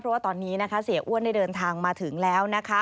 เพราะว่าตอนนี้นะคะเสียอ้วนได้เดินทางมาถึงแล้วนะคะ